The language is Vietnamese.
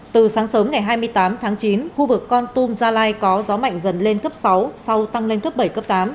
từ sáng sớm ngày hai mươi tám tháng chín khu vực con tum gia lai có gió mạnh dần lên cấp sáu sau tăng lên cấp bảy cấp tám